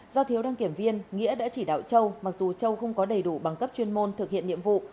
do thiếu đăng kiểm viên nghĩa đã chỉ đạo châu mặc dù châu không có đầy đủ bằng cấp chuyên môn thực hiện nhiệm vụ